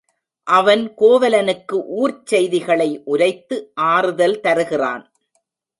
அவன் கோவலனுக்கு ஊர்ச் செய்திகளை உரைத்து ஆறுதல் தருகிறான்.